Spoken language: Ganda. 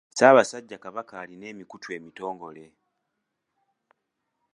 Ssaabasajja Kabaka alina emikutu emitongole.